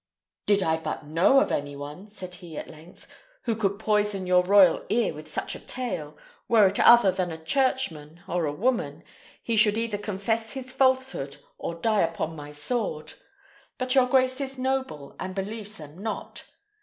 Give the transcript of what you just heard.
"Did I but know of any one," said he, at length, "who could poison your royal ear with such a tale, were it other than a churchman or a woman, he should either confess his falsehood or die upon my sword. But your grace is noble, and believes them not.